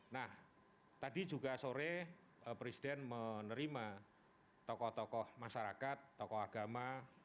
nah tadi juga sore presiden menerima tokoh tokoh masyarakat tokoh agama